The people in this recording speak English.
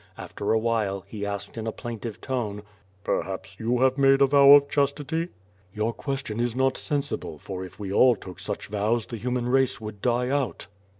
After a while, he asked in a plaintive tone. "Perhaps you have made a vow of chastity?" "Your question is not sensible, for if we all took such vows the human race would die out."